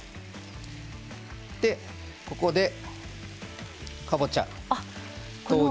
ここで、かぼちゃ投入。